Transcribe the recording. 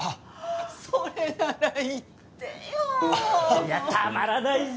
いやたまらないぜ！